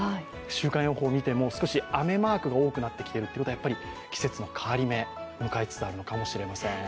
週間予報見ても少し雨マークが多くなってきているということはやっぱり季節の変わり目を迎えつつあるのかもしれません。